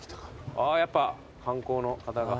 ああやっぱ観光の方が。